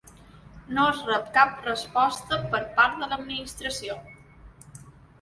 No es rep cap resposta per part de l'Administració.